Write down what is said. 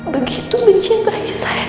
begitu mencintai saya